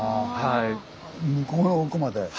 向こうの奥まで。